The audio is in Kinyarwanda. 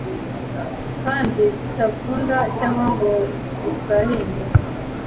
kandi zitavunda cyangwa ngo zisahinde